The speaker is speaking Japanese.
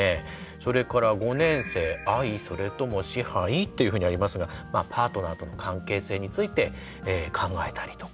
それから５年生「愛？それとも支配？」っていうふうにありますがパートナーとの関係性について考えたりとか。